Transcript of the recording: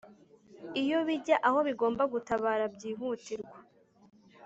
iyo bijya aho bigomba gutabara byihutirwa